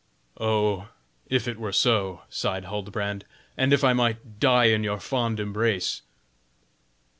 "Oh, if it were so!" sighed Huldbrand, "and if I might die in your fond embrace!"